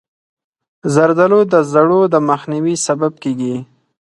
زردالو د زړو د مخنیوي سبب کېږي.